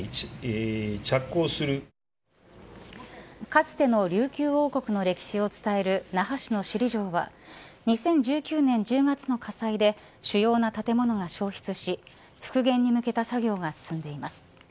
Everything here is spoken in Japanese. かつての琉球王国の歴史を伝える那覇市の首里城は２０１９年１０月の火災で主要な建物が焼失し復元に向けた作業が進んでいます。